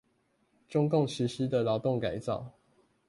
中共實施的勞動改造